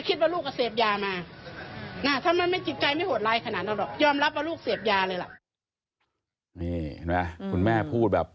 นี่เห็นมั้ยคุณแม่พูดแบบนี่เห็นมั้ยคุณแม่พูดแบบ